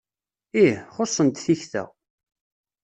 Ih, xuṣṣent tikta.